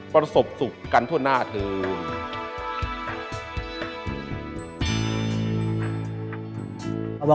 ประสบสุขกันทั่วหน้าเถอะ